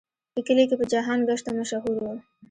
په کلي کې په جهان ګشته مشهور و.